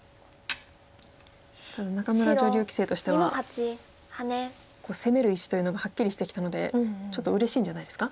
ただ仲邑女流棋聖としては攻める石というのがはっきりしてきたのでちょっとうれしいんじゃないですか？